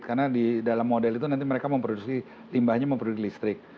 karena di dalam model itu nanti mereka memproduksi limbahnya memproduksi listrik